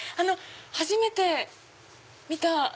初めて見た。